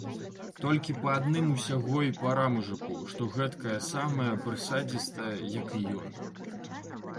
Толькі па адным усяго й пара мужыку, што гэткая самая прысадзістая, як і ён.